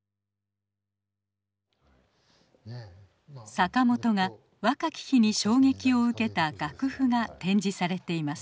坂本が若き日に衝撃を受けた楽譜が展示されています。